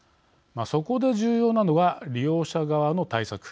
そこで重要なのは利用者側の対策